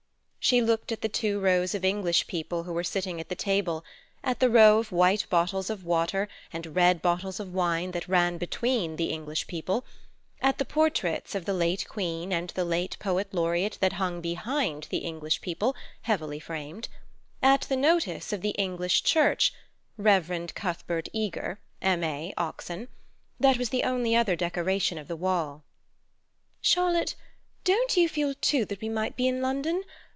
She looked at the two rows of English people who were sitting at the table; at the row of white bottles of water and red bottles of wine that ran between the English people; at the portraits of the late Queen and the late Poet Laureate that hung behind the English people, heavily framed; at the notice of the English church (Rev. Cuthbert Eager, M. A. Oxon.), that was the only other decoration of the wall. "Charlotte, don't you feel, too, that we might be in London?